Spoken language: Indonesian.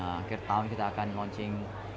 akhir tahun kita akan launching yogurt gelato cake